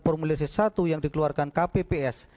formulir c satu yang dikeluarkan kpps